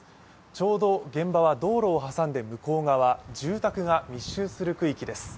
ちょうど現場は道路を挟んで向こう側住宅が密集する区域です。